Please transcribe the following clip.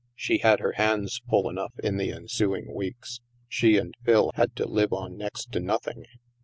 She had her hands full enough in the ensuing weeks. She and Phil had to live on next to noth ing.